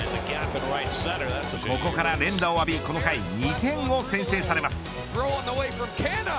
ここから連打を浴びこの回２点を先制されます。